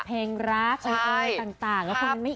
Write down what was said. เพลงรักอะไรต่างแล้วคุณไม่อิน